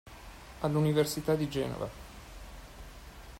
All'università di Genova.